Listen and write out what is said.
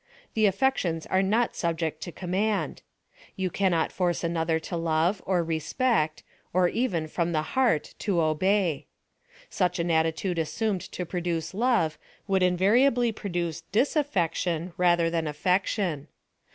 The affections are not subject to command. You cannot force an other to love, or respect, or even, from the heart, to obey. Such an attitude assumed to produce love, wouid invariably produce disaffection rather than affection.